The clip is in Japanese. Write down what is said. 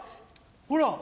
ほら！